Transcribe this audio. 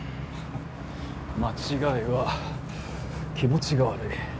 間違いは気持ちが悪い。